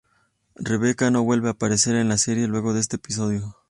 Rebecca no vuelve a aparecer en la serie luego de este episodio.